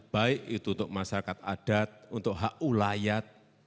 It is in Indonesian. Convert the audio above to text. baik itu untuk masyarakat adat untuk hak ulayat